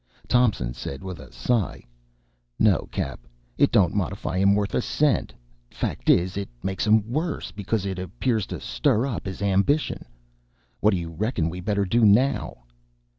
Thompson said, with a sigh, "No, Cap., it don't modify him worth a cent. Fact is, it makes him worse, becuz it appears to stir up his ambition. What do you reckon we better do, now?"